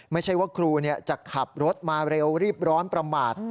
ไม่ใช่ว่าครูจะขับรถมาเร็วรีบร้อนประมาท